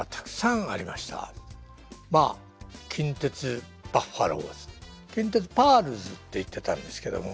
まあ近鉄バファローズ近鉄パールスっていってたんですけども。